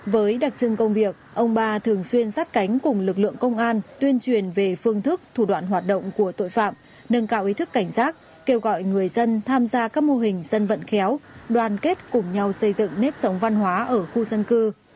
với đặc trưng công việc ông ba thường xuyên sát cánh cùng lực lượng công an tuyên truyền về phương thức thủ đoạn hoạt động của tội phạm nâng cao ý thức cảnh giác kêu gọi người dân tham gia các mô hình dân vận khéo đoàn kết cùng nhau xây dựng nếp sống văn hóa ở khu dân cư